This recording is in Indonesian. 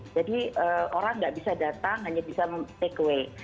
jadi orang nggak bisa datang hanya bisa takeaway